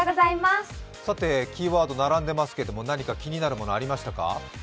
キーワード並んでいますけれども何か気になるものありましたか？